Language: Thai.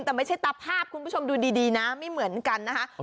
แต่ไม่ใช่ตาภาพคุณผู้ชมดูดีนะไม่เหมือนกันนะคะ